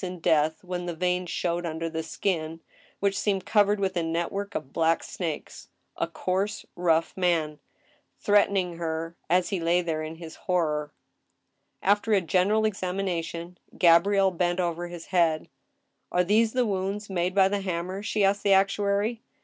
THE JUDGMENT OF GOD, 177 more hideous in death, when the veins showed under the skin, which seemed covered with a network of black snakes— a coarse, rough man, threatening her as he lay there in his horror. After a general examination, Gabrielle bent over his head. " Are these the wounds made by the hammer?" she asked the. actuary.